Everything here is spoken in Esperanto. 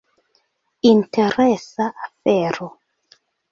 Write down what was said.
Interesa afero.